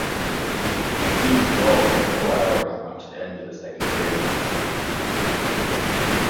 The teams brawled for a full hour after the end of the second period.